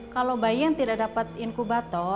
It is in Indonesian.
kalau bayi yang tidak dapat inkubator